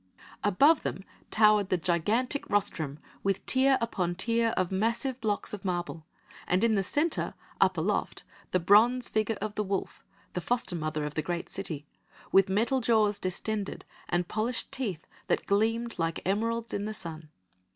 Above them towered the gigantic rostrum with tier upon tier of massive blocks of marble, and in the centre, up aloft, the bronze figure of the wolf the foster mother of the great city with metal jaws distended and polished teeth that gleamed like emeralds in the sun.